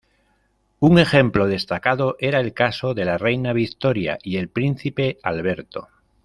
Un ejemplo destacado era el caso de la Reina Victoria y el Príncipe Alberto.